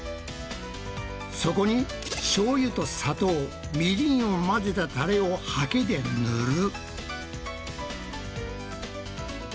そこにしょうゆと砂糖みりんを混ぜたタレをハケで塗る。